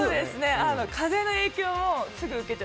風の影響をすぐに受けちゃう。